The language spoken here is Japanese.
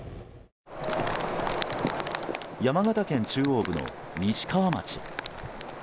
山形県中央部の西川町。